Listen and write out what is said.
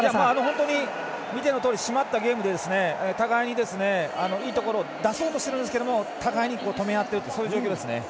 本当に見てのとおり締まったゲームで互いに、いいところを出そうとしているんですけれども互いに止め合っているという状況ですね。